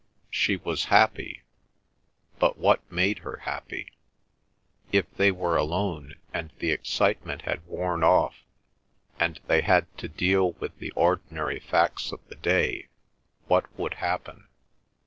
She was happy; but what made her happy? If they were alone and the excitement had worn off, and they had to deal with the ordinary facts of the day, what would happen?